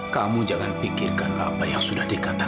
kamu jangan pikirkan apa yang sudah dikatakan